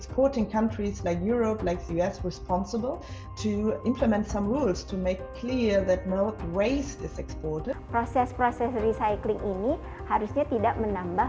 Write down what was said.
proses proses recycling ini harusnya tidak menambah